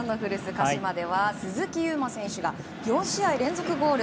鹿島では鈴木優磨選手が４試合連続ゴール！